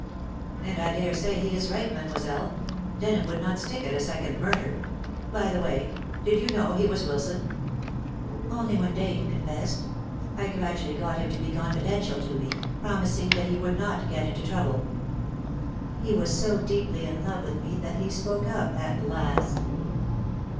"And I daresay he is right, mademoiselle. Denham would not stick at a second murder. By the way, did you know he was Wilson?" "Only when Dane confessed. I gradually got him to be confidential to me, promising that he would not get into trouble. He was so deeply in love with me that he spoke out at last."